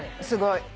すごい。